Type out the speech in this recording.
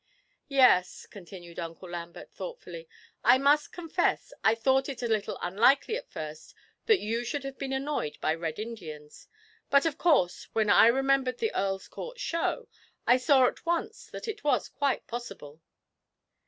'Yes,' continued Uncle Lambert, thoughtfully, 'I must confess I thought it a little unlikely at first that you should have been annoyed by Red Indians; but, of course, when I remembered the Earl's Court Show, I saw at once that it was quite possible.'